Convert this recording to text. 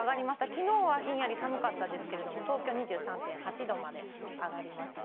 きのうはひんやり寒かったですけれども、東京２３．８度まで上がりましたね。